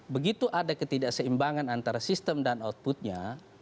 begitu ada ketidakseimbangan antara sistem dan outputnya